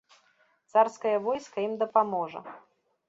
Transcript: Царскае войска ім дапаможа.